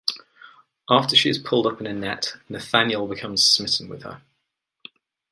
After she is pulled up in a net, Nathaniel becomes smitten with her.